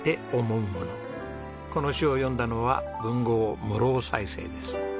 この詩を詠んだのは文豪室生犀星です。